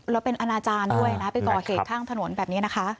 แล้วเป็นอนาจารย์ด้วยนะไปก่อเหตุข้างถนนแบบนี้นะคะ